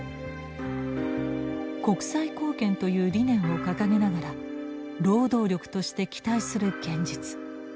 国際貢献という理念を掲げながら労働力として期待する現実。